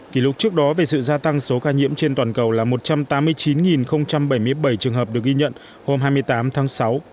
kỷ lục trước đó về sự gia tăng số ca nhiễm trên toàn cầu là một trăm tám mươi chín bảy mươi bảy trường hợp được ghi nhận hôm hai mươi tám tháng sáu